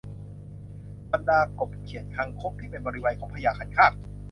บรรดากบเขียดคางคกที่เป็นบริวารของพญาคันคาก